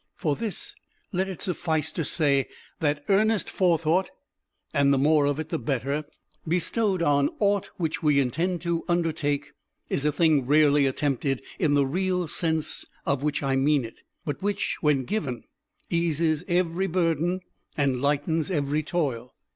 For this let it suffice to say that earnest forethought, and the more of it the better, bestowed on aught which we intend to undertake, is a thing rarely attempted in the real sense in which I mean it, but which, when given, eases every burden and lightens every toil.